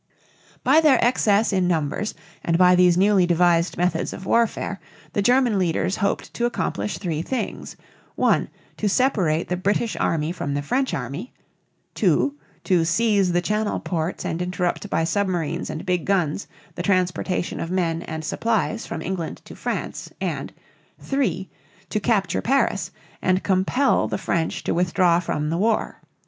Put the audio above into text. By their excess in numbers and by these newly devised methods of warfare the German leaders hoped to accomplish three things: (1) to separate the British army from the French army; (2) to seize the Channel ports and interrupt by submarines and big guns the transportation of men and supplies from England to France; and (3) to capture Paris and compel the French to withdraw from the war.